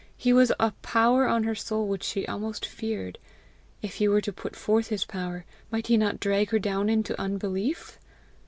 He was a power on her soul which she almost feared. If he were to put forth his power, might he not drag her down into unbelief?